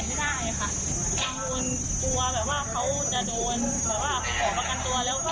เพราะว่าถ้าเข้าคำปล่อยก็แปลว่าเธอไม่รู้ว่าถ้าว่าปล่อย